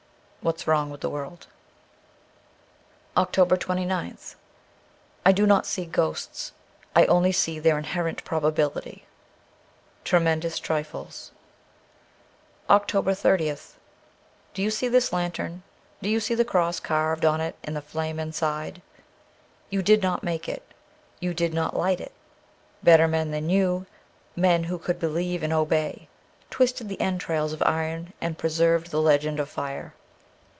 'What's Wrong with the World.' 334 OCTOBER 29th I DO not see ghosts ; I only see their inherent probability. ' Tremendous Trips.' 335 OCTOBER 30th DO you see this lantern ? Do you see the cross carved on it and the flame inside ? You did not make it. You did not light it. Better men than you, men who could believe and obey, twisted the entrails of iron, and preserved the legend of fire.